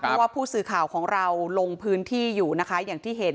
เพราะว่าผู้สื่อข่าวของเราลงพื้นที่อยู่นะคะอย่างที่เห็น